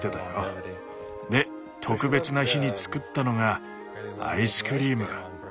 で特別な日に作ったのがアイスクリーム。